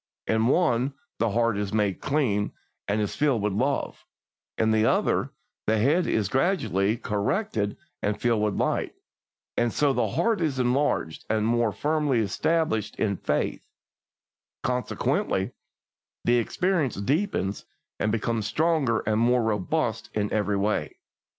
In one, the heart is made clean, and is filled with love; in the other, the head is gradually corrected and filled with light, and so the heart is enlarged and more firmly established in faith; consequently, the experience deepens and becomes stronger and more robust in every way.